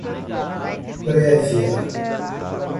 prévia